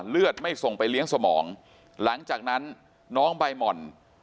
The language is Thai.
เลือดไม่ส่งไปเลี้ยงสมองหลังจากนั้นน้องใบหม่อน